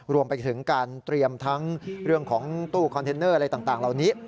รวมไปถึงการเตรียมทั้งเรื่องของตู้คอนเทนเนอร์อะไรต่างเหล่านี้